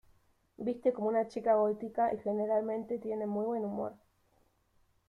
Viste como una chica gótica y generalmente tiene muy buen humor.